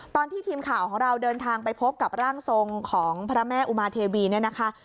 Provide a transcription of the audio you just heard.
ตอนที่ทีมข่าวของเราเดินทางไปพบกับร่างทรงของพระแม่อุมาเทวีเนี่ยนะคะ